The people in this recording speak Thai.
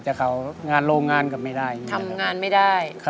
แต่เขางานโรงงานก็ไม่ได้ทำงานไม่ได้